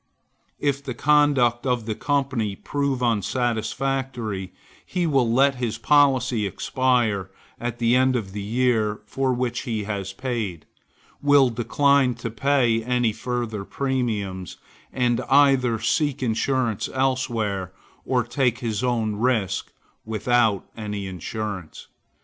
If the conduct of the company prove unsatisfactory, he will let his policy expire at the end of the year for which he has paid; will decline to pay any further premiums, and either seek insurance elsewhere, or take his own risk without any insurance.